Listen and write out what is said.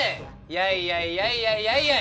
やいやいやいやいやいやい。